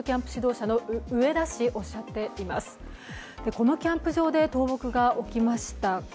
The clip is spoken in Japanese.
このキャンプ場で倒木が起きました。